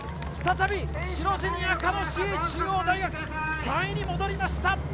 再び白地に赤のＣ、中央大学、３位に戻りました。